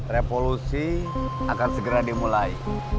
revolusi akan segera dimulai